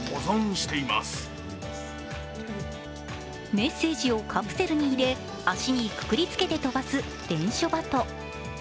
メッセージをカプセルに入れ足にくくりつけて飛ばす伝書鳩。